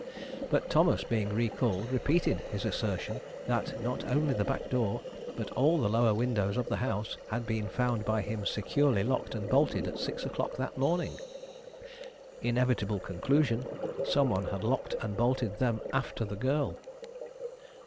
But Thomas, being recalled, repeated his assertion that not only the back door, but all the lower windows of the house, had been found by him securely locked and bolted at six o'clock that morning. Inevitable conclusion some one had locked and bolted them after the girl.